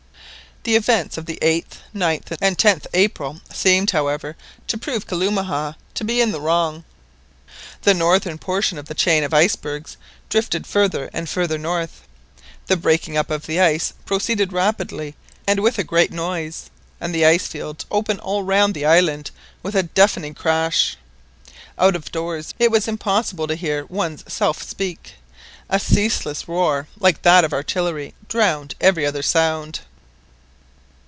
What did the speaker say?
The events of the 8th, 9th, and 10th April, seemed, however, to prove Kalumah to be in the wrong. The northern portion of the chain of icebergs drifted farther and farther north. The breaking up of the ice proceeded rapidly and with a great noise, and the ice field opened all round the island with a deafening crash. Out of doors it was impossible to hear one's self speak, a ceaseless roar like that of artillery drowned every other sound.